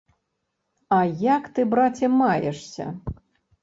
А як ты, браце, маешся?